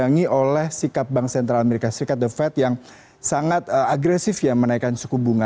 yang oleh sikap bank sentral amerika serikat the fed yang sangat agresif ya menaikkan suku bunga